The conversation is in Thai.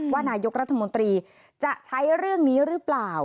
ว่านายกรัฐมนตรีจะใช้เรื่องนี้หรือเปล่า